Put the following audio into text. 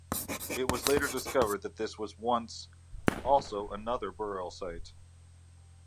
It was later discovered that this was once also another burial site.